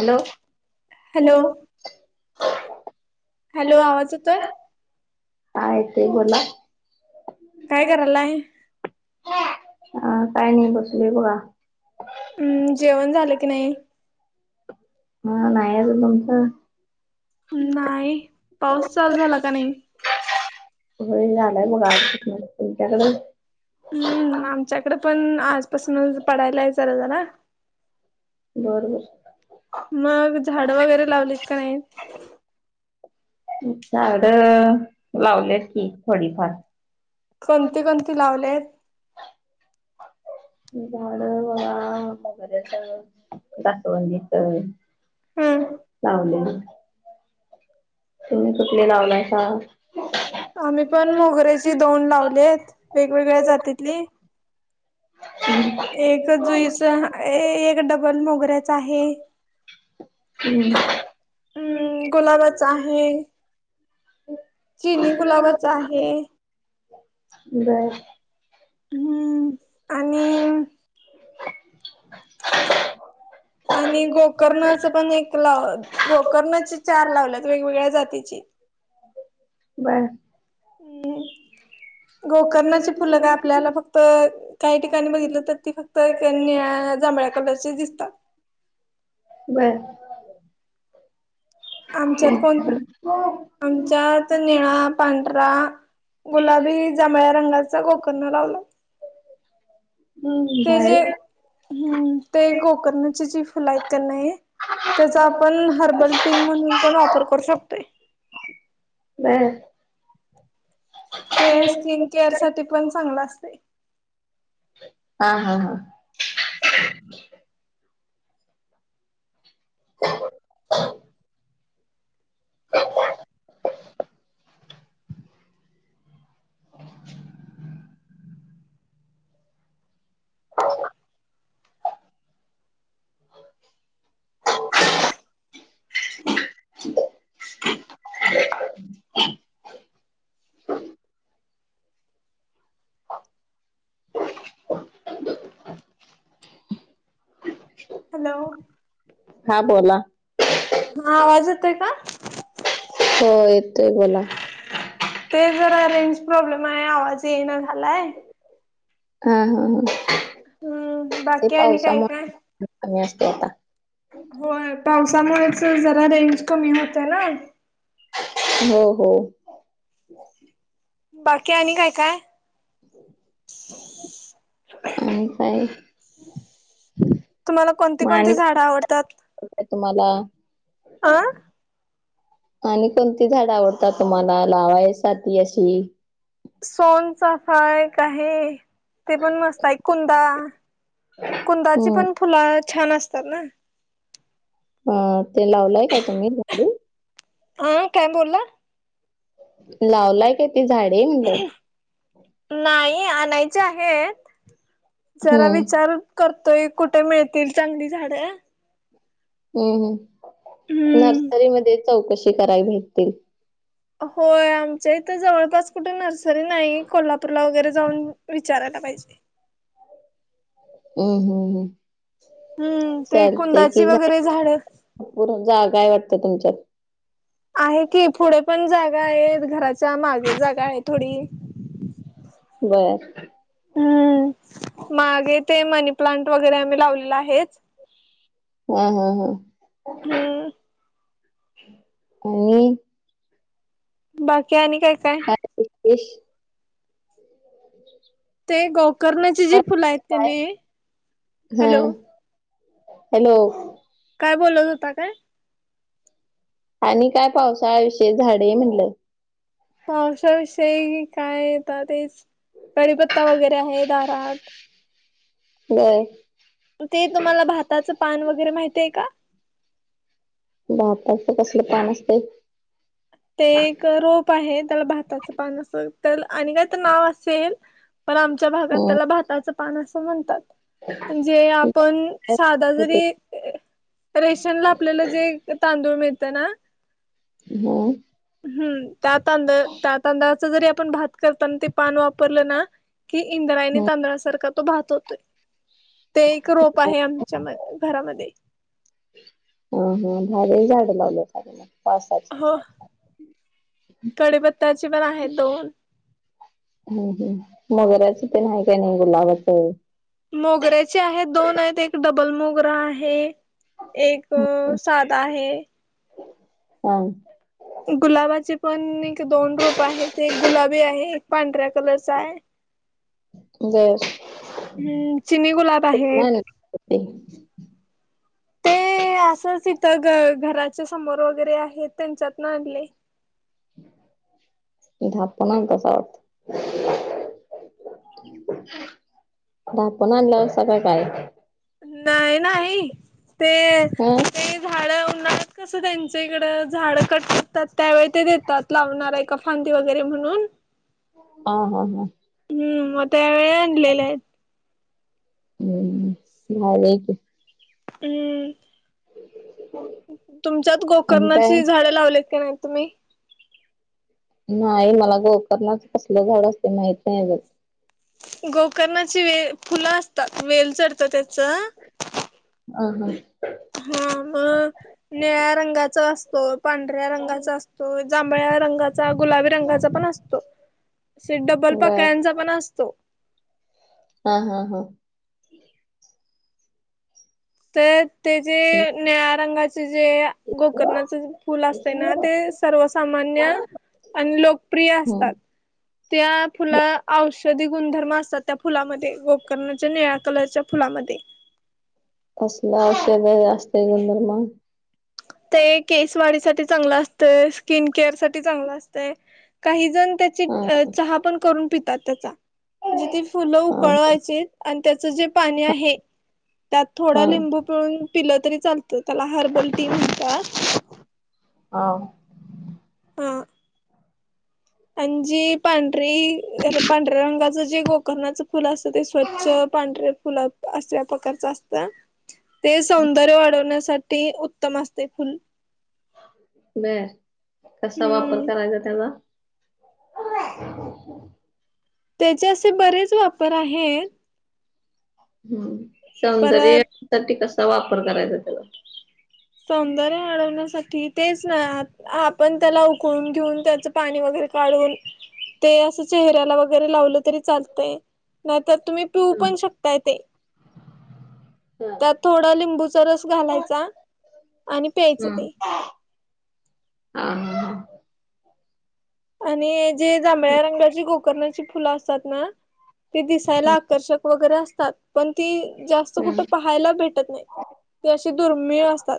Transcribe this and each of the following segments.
Hello hello hello आवाज यतोय काय येत बोला काय करायला आहे अ काय नाही बसले ब हम्म जेवण झालं की नाही हा नाहीच तुमचं नाही पाऊस चालू झाला का नाही हो झालाय मग आला तुमच्याकडून हम्म आमच्याकडे पण आजपासूनच पडायला आहेचला झाला बरोबर मग झाडं वगैरे लावलीत का नाहीत झाड लावल्यात की थोडीफार कोणती कोणती लावले झाड वा वगरेच दासवंदीच हम्म चवले तुम्ही कुठले लावलाय का आम्ही पण मोगऱ्याची दोन लावलेत वेगवेगळ्या जातीतली हम् एक जुईच एक डबल मोगऱ्याच आहे हम्म अम् गुलाबाच आहे. चिनी गुलाबाच आहे. बर हम्म आणि आणि बर. गोकर्णाच पण एक लाव गोकर्णाचे चार लावल्यात वेगवेगळ्या जातीची बरं [unintelligible] गोकर्णाची फुलं काय आपल्याला फक्त काही ठिकाणी बघितलं तर ती फक्त तर एक निळ्या जांभळ्या कलरचे दिसतात. बरं आमच्यात कोण हम्म आमच्यात निळा, पांढरा, गुलाबी, जांभळा रंगाचा गोकर्ण लावला. ते भारी. जे हम्म ते गोकर्णाची जी फुल आहेत क नी त्याचा आपण हर्बल सीम म्हणून पण वापर करू शकतो. नाही ते स्किन केअर साठी पण चांगलं असतय. हा हा हा [unintelligible] [unintelligible] [unintelligible] [inaudible] हॅलो, हा बोला. हा आवाज येतोय का? हो येतोय बोला. ते जरा रेंज प्रॉब्लेम आहे आवाज येई ना झालाय. हा हा हा [inaudible] हम्म ते बाकी आणि काय काय? पावसामुळे कमी असते आता. हो पावसामुळेच जरा रेंज कमी होत ना, हो हो बाकी आणि काय काय? [unintelligible] मग तुम्हाला कोणती कोणती झाडं आवडतात? आणि तुम्हाला, अं आणि कोणती झाड आवडतात तुम्हाला लावाय साठी अशी सोनचाफा एक आहे ते पण मस्त आहे. कुंदा, कुंदाची हम्म पण फुलं छान असतात ना? ह ते लावलंय काय तुम्ही झाड. हा काय बोलला? लावलाय काय ती झाडे म्हणलं, नाही आणायचे आहेत. [inaudible] जरा हम्म विचार करतोय कुठे मिळतील चांगली झाडं. हम्म हम् हम्म नर्सरीमध्ये चौकशी करावी भेटतील होय आमच्या इथं जवळपास कुठे नर्सरी नाही कोल्हापूरला वगैरे जाऊन विचारायला पाहिजे. ह हो हो. हम्म ते कुंदाची वगैरे झाडं भरपूर जागा हाय वाटतं तुमच्यात. आहे की पुढे पण जागा आहेत घराच्या मागे जागा आहे थोडी बरर. हम्म मागे ते मनी प्लांट वगैरे आम्ही लावलेला आहे. ह हा हा, हम्म, [inaudible] कोनी. बाकी आणि. काय काय [unintelligible] [unintelligible] ते गोकर्नची जी काय फुलं आहेत काय? कनी [inaudible] हा हॅलो. हॅलो, काय बोलत होता काय? आणि काय पावसाळाविषय झाडे म्हणलं. पावसाविषयी काय आता तेच कडीपत्ता वगैरे आहे दारात. व्हय, ते तुम्हाला भाताचं पान वगैरे माहितीय का? भाताच कसलं पान असतय. ते एक रोप आहे त्याला भाताचं पान असं त्याला आणि काय तर नाव असेल पण आमच्या भागात हम्म त्याला भाताचं पान असं म्हणतात. म्हणजे आपण साधा जरी रेशन ला आपल्याला जे तांदूळ मिळतं ना हम्म हम्म त्या तांद त्या तांदळाच जरी आपण भात करताना ते पान वापरलं ना कि इंद्रायणी हम्म तांदळासारखा तो भात होतोय ते एक रोप आहे आमच्या म घरामध्ये हम्म हम्म भारी झाड लावलं चांगल पावसाच हो कढीपत्त्याची पण आहे दोन हम्म हम्म मोगराच तेन हाय काय नाही गुलाबाचं मोगऱ्याचे आहेत दोन आहेत एक डबल मोगरा आहे एक साध आहे आ गुलाबाचे पण एक दोन रोप आहेत एक गुलाबी आहे एक पांढऱ्या कलरचा आहे बर हम्म चिनी गुलाब आहेत ते.. ते असंच इथं घ घराच्या समोर वगैरे आहे त्यांच्यातन आणलय ढापून आणतासा वाटत ढापून आणलायसा का काय नाई नाही ते ह झाड उन्हाळ्यात कसं त्यांच्या इकड झाडं कट तर त्यावेळी ते देतात लावणार आहे का फांदी वगैरे म्हणून हा हा हा हम्म मग त्या वेळी आणलेल्या आहेत हम्म भारी आहे की हम्म तुमच्यात आणि काय गोकर्णाची झाडे लावल्यात काय नाही तुम्ही नाही मला गोकर्णच कसलं झाड असतय माहित नाही अजून गोकर्णाची वे फुलं असतात वेल चढतं त्याचं अ ह हा मग निळ्या रंगाचा असतो पांढऱ्या रंगाचा असतो जांभळ्या रंगाचा गुलाबी रंगाचा पण असतो असे डबल बर पकळ्यांचा पण असतो हा हा हा तर ते जे निळ्या रंगाचे जे गोकर्णाच फुल असतय ना ते सर्वसामान्य आणि लोकप्रिय हम्म असतात त्या फुला औषधी गुणधर्म असतात त्या फुलामध्ये गोकर्णाच्या निळ्या कलरच्या फुलामध्ये फसलं औषध जास्त आहे गंधर्मग ते केसवाढी साठी चांगलं असते स्किन केअर साठी चांगलं असत काही जण चहा पण करून पित हा त्याण फ उक त्याच जे पाणी आहे त्यात थोडा हा लिंबू पिळून पिलं तरी चाल त्याला हर्बल टी म्हण हो ह आणि जी पांढरी पांढऱ्या रंगाच जे गोकर्णाच फुल असत ते स्वच्छ पांढरे फुल अस्या प्रकारच असतं ते सौंदर्य वाढवण्यासाठी उत्तम असते फुल बर कसा वापर हम्म करायचा त्याचा [inaudible] त्याचे असे बरेच वापर आहेत हम्म परत सौंदर्य सा कसा वापर करायचा त्या सौंदर्य वाढवण्यासाठी तेच नाही आपण त्याला उकळून घेऊन त्याचं पाणी वगैरे काढून ते असं चेहऱ्याला वगैरे लावलं तरी चालतय नाहीतर तुम्ही पिऊ हम्म पण शकताय ते. त्यात हा थोडा लिंबूचा रस घालायचा आणि प्यायचं ते. हा हा आणि जे जांभळ्या रंगाची गोकर्णाची फुलं असतात ना ते दिसायला हम्म आकर्षक वगैरे असतात पण ती जास्त कुठ पा खयला भेटत नाही ते असे दुर्मिळ असतात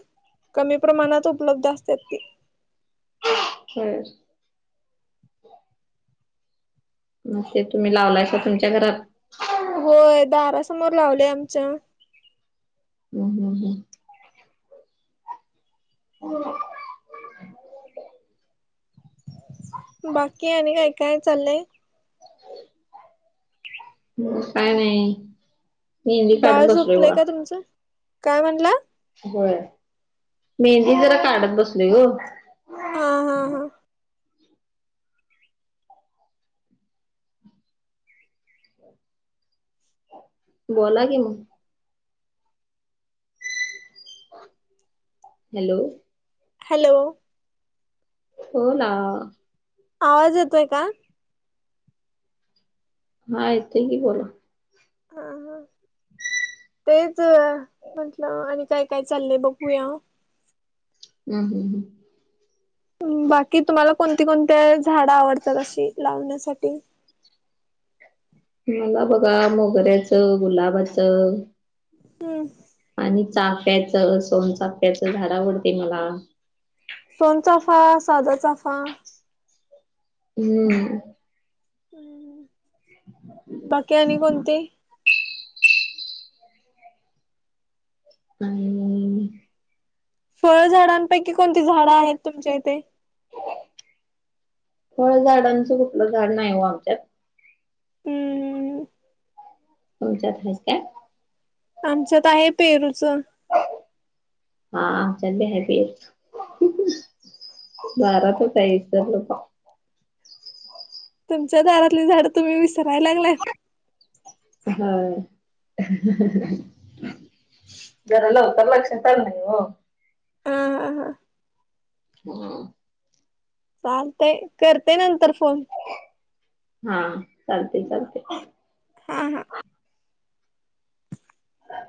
कमी प्रमाणात उपलब्ध असतात ते. ह मग ते तुम्ही लावलायशा तुमच्या घरात. होय दारासमोर लावले आमच्या. हम हम ह बाकी आणि काय काय चाललंय. [unintelligible] ह काय नाही मेंदी बाळ काढत बसलोय बघ झोपलंय का आता. तुमचं काय म्हणला होय मेहंदी जरा काढत बसली ग. हा हा. हां हां. बोला कि मग हॅलो हॅलो हो ना. आवाज येतोय का? हा येते की बोला. हा हा तेच म्हंटलं आणि काय काय चाललंय बघूया. हम हम हम. बाकी तुम्हाला कोणती कोणती्या झाडं आवडतात अशी लावण्यासाठी. मला बघा मोगऱ्याचं गुलाबाचं हम् आणि चाफ्याच सोनचाफ्याचं झाड आवडते मला. सोन चाफा साधा चाफा हम् बाकी आणि कोणती? हम् फळ झााडांपैकी कोणती झाडं आहेत तुमच्या इथे? फळझडांचं कुठलं झाड नाही व आमच्यात. हम्म. तुमच्यात आहेत काय? आमच्यात आहे पेरूचं. हा आमच्यात पण आहे पेरूचं. दारातच आहे विसरलो बघ. तुमच्या घरातली झाडं तुम्ही विसरायला लागले. हा. जरा लवकर लक्षात आलं नाही हो. हा हा हां. हो. चालते करते नंतर फोन हा चालते चालते. हा हा. ह.